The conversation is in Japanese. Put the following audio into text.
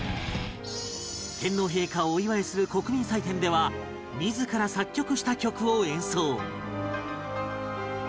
天皇陛下をお祝いする国民祭典では自ら作曲した曲を演奏